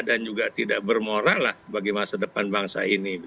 dan juga tidak bermoral lah bagi masa depan bangsa